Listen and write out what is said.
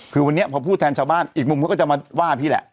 คือวันนี้พอพูดแทนชาวบ้านอีกมุมเขาก็จะมาว่าพี่แหละ